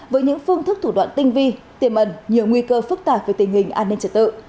với những phương thức thủ đoạn tinh vi tiềm ẩn nhiều nguy cơ phức tạp về tình hình an ninh trật tự